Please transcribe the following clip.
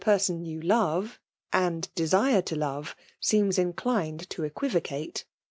person yon ^Um, and denm to love, : seems inclined to 'equiTOcatc.